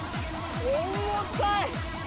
重たい！